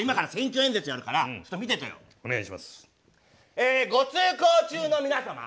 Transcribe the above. えご通行中の皆様。